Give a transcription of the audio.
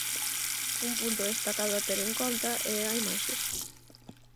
Un punto destacado a ter en conta é a imaxe.